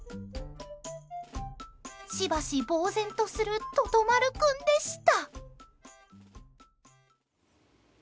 しばし、ぼうぜんとするととまる君でした。